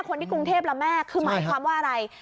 กรุงเทพละแม่คือหมายความว่าอะไร